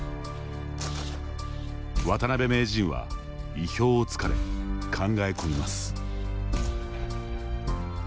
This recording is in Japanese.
渡辺名人は意表をつかれ考え込みます。